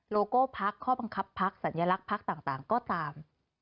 โก้พักข้อบังคับพักสัญลักษณ์พักต่างก็ตาม